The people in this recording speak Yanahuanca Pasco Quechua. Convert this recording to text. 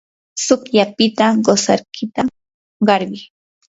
tsukllaykipita qusaykita qarquy.